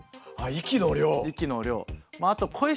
息の量。